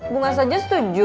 bunga saja setuju